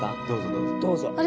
どうぞどうぞ。